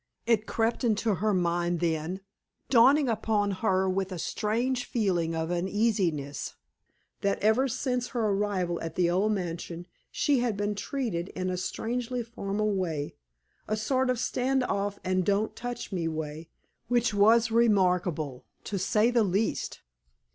It crept into her mind then dawning upon her with a strange feeling of uneasiness that ever since her arrival at the old mansion she had been treated in a strangely formal way, a sort of stand off and don't touch me way, which was remarkable, to say the least.